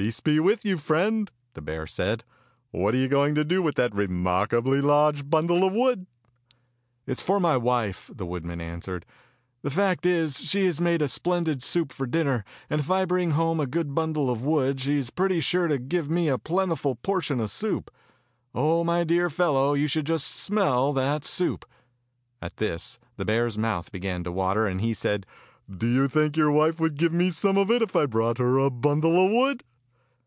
" Peace be with you, friend," the bear said. "What are you going to do with that remarkably large bundle of wood.^" "It is for my wife," the woodman an swered. "The fact is, she has made a splen did soup for dinner, and if I bring home a good bundle of wood she is pretty sure to give me a plentiful portion of soup. Oh, my dear fellow, you should just smell that soup !" At this the bear's mouth began to water, and he said, "Do you think your wife would give me some of it, if I brought her a bundle of wood.